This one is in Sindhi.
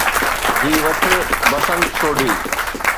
هي وٺ، بسنت سوڍي.